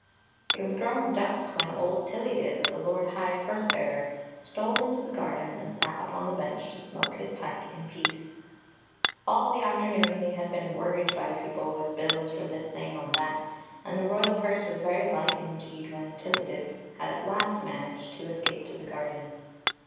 It was growing dusk when old Tillydib, the lord high purse bearer, stole into the |^ufd(m and sat upcm the bench to smoke his pipe in peace. All the after noon he had been worried by people with bills for Queen Zixi of Ix; or, the this thing or that, ana the royal purse was very light indeed when Tillydib had at last managed to escape to the garden.